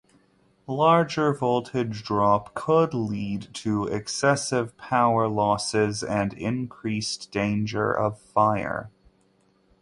Larger voltage drop could lead to excessive power losses and increased danger of fire.